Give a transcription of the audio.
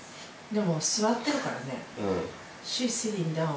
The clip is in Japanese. でも座ってるからね。